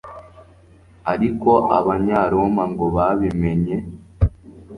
ariko abanyaroma ngo babimenye